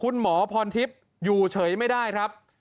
คุณหมอพรทิพย์อยู่เฉยไม่ได้ครับ